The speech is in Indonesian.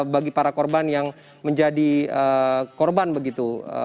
bagi para korban yang menjadi korban begitu